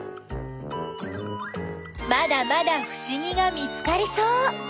まだまだふしぎが見つかりそう！